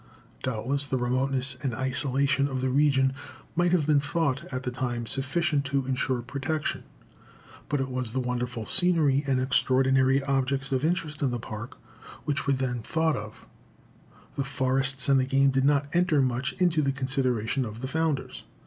Doubtless the remoteness and isolation of the region might have been thought, at the time, sufficient to insure protection. But it was the wonderful scenery and extraordinary objects of interest in the Park which were then thought of; the forests and the game did not enter much into the consideration of the founders.